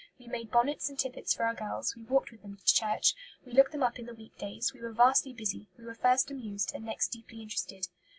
We made bonnets and tippets for our girls; we walked with them to church; we looked them up in the week days; we were vastly busy; we were first amused, and next deeply interested."